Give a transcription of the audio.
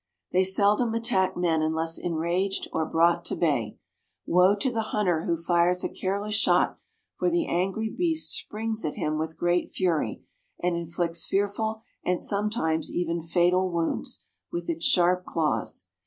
They seldom attack men unless enraged or brought to bay. Woe to the hunter who fires a careless shot, for the angry beast springs at him with great fury, and inflicts fearful and sometimes even fatal wounds with its sharp claws.